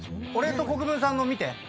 俺と国分さんの見て。